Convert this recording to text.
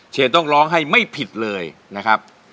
เชนต้องร้องให้ไม่ผิดเลยนะครับ